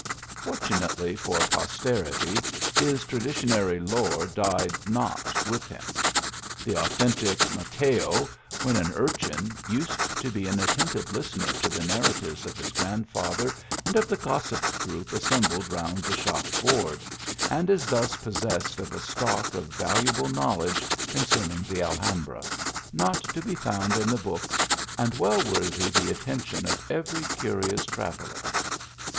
Fortunately for pos terity his traditionary lore died not with him. The authentic Mateo, when an urchin, used to be an at tentive listener to the narratives of his grandtather and of the gossip group assembled round the shop board, and is thus possessed of a stock of valuable knowledge concerning the Alhambra, not to be found in the books, and well worthy the attention of every curious traveller.